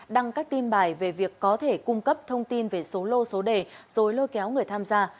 đăng các tin bài về việc có thể cung cấp thông tin về số lô số đề rồi lôi kéo người tham gia